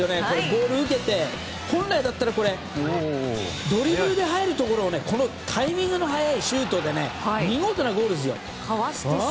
ボールを受けて、本来だったらドリブルで入るところをこのタイミングの早いシュートで見事なゴールですよ。